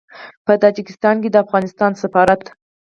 په تاجکستان کې د افغانستان سفارت